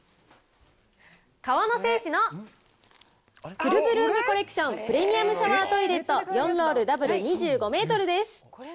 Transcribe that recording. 河野製紙のフルブルームコレクションプレミアムシャワートイレット４ロールダブル２５メートルです。